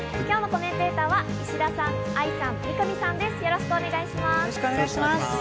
今日のコメンテーターの皆さんです。